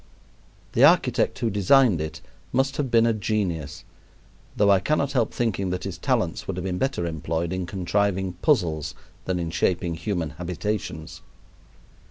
The architect who designed it must have been a genius, though I cannot help thinking that his talents would have been better employed in contriving puzzles than in shaping human habitations.